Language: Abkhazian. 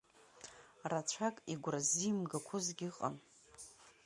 Рацәак игәра ззимгақәозгьы ыҟан.